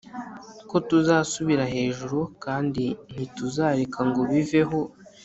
ko tuzasubira hejuru, kandi ntituzareka ngo biveho